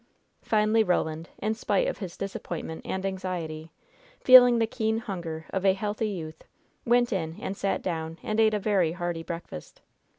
Finally Roland, in spite of his disappointment and anxiety, feeling the keen hunger of a healthy youth, went in and sat down and ate a very hearty breakfast.